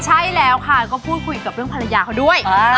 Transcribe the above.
ใช่แล้วค่ะก็พูดคุยกับเรื่องภรรยาเขาด้วย